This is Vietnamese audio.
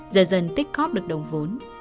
giờ dần tích cóp được đồng vốn